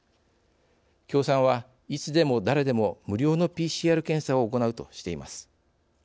共産はいつでも誰でも無料のＰＣＲ検査を行うとしています。